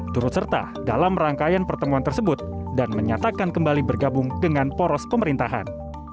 turut serta dalam rangkaian pertemuan tersebut dan menyatakan kembali bergabung dengan poros pemerintahan